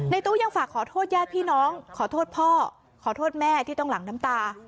ตู้ยังฝากขอโทษญาติพี่น้องขอโทษพ่อขอโทษแม่ที่ต้องหลังน้ำตา